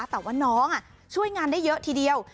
แต่ว่าน้องช่วยงานได้เยอะทีเดียว